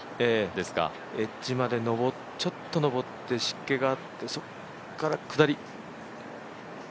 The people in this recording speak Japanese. エッジまでちょっとのぼって湿気があってそこから下り。